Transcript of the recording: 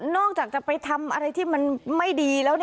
จะไปทำอะไรที่มันไม่ดีแล้ว